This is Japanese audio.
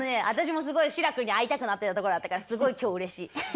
私もすごい志らくに会いたくなってたところだったからすごい今日うれしい。